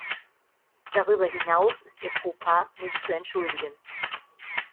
Darüber hinaus ist ihr Fauxpas nicht zu entschuldigen.